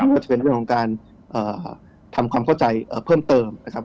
ก็จะเป็นเรื่องของการทำความเข้าใจเพิ่มเติมนะครับ